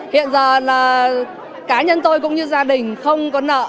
hiện giờ là cá nhân tôi cũng như gia đình không có nợ